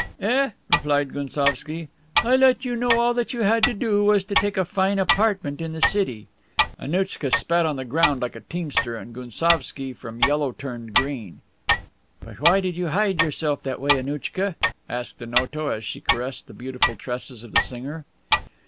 "Eh," replied Gounsovski, "I let you know that all you had to do was to take a fine apartment in the city." Annouchka spat on the ground like a teamster, and Gounsovski from yellow turned green. "But why did you hide yourself that way, Annouchka?" asked Onoto as she caressed the beautiful tresses of the singer.